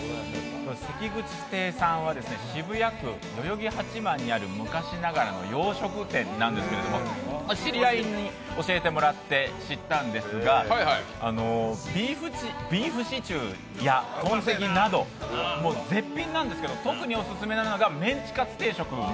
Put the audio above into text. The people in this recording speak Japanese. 関口亭さんは渋谷区代々木八幡にある昔ながらの洋食店なんですけど知り合いに教えてもらって知ったんですが、ビーフシチューやトンテキなど絶品なんですけど特にオススメなのがメンチカツ定食。